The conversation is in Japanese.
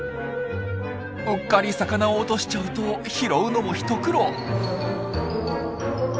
うっかり魚を落としちゃうと拾うのも一苦労。